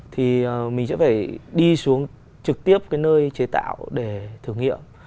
thì mình sẽ phải đi xuống trực tiếp cái nơi chế tạo để thử nghiệm